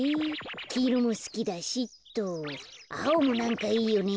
きいろもすきだしあおもなんかいいよね。